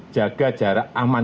jaga jarak aman